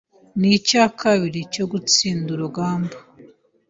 ni icya kabiri cyo gutsinda urugamba